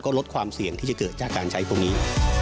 ลดความเสี่ยงที่จะเกิดจากการใช้พวกนี้